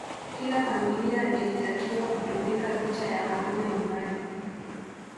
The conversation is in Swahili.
Kila familia ilitakiwa kutundika picha ya Karume nyumbani